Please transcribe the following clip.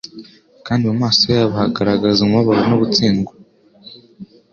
kandi mu maso yabo hagaragaza umubabaro no gutsindwa.